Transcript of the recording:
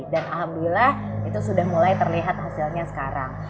dan alhamdulillah itu sudah mulai terlihat hasilnya sekarang